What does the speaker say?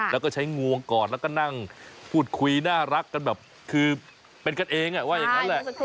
แล้วก็ใช้งวงกอดแล้วก็นั่งพูดคุยน่ารักกันแบบคือเป็นกันเองว่าอย่างนั้นแหละ